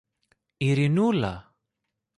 Ειρηνούλα!